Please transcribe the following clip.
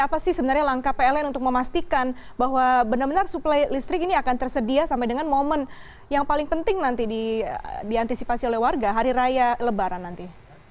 apa sih sebenarnya langkah pln untuk memastikan bahwa benar benar suplai listrik ini akan tersedia sampai dengan momen yang paling penting nanti diantisipasi oleh warga hari raya lebaran nanti